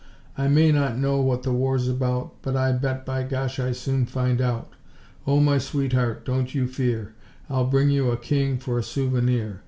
I may not know what the war's about But I bet by Gosh I soon find out! O, my sweetheart, don't you fear, I'll bring you a king for a souvenir.